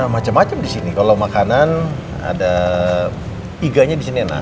macam macam di sini kalau makanan ada iganya di sini enak